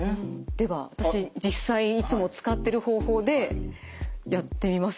では私実際いつも使ってる方法でやってみますね。